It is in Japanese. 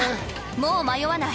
もう迷わない。